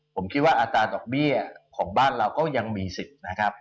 ผมคิดว่าอัตราดอกเบี้ยของบ้านเราก็ยังมีสิทธิ์นะครับ